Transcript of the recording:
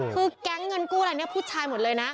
คือแก๊งเงินกู้อะไรเนี่ยผู้ชายหมดเลยนะ